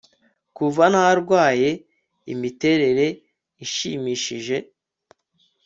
Kuva narwaye imiterere ishimishije